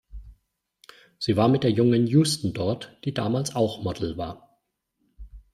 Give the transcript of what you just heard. Sie war mit der jungen Houston dort, die damals auch Model war.